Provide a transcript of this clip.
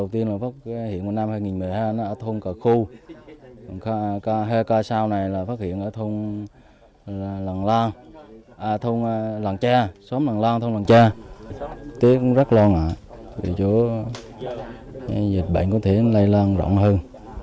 bệnh dịch bệnh có thể lây lan rộng hơn